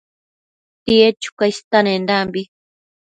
tied chuca istenendambi